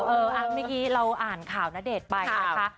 เมื่อกี้เราอ่านข่าวณเดชน์ไปนะคะ